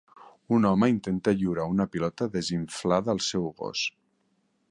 Un home intenta lliurar una pilota desinflada al seu gos.